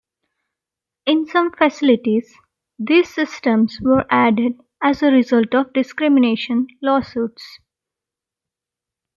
In some facilities, these systems were added as a result of discrimination lawsuits.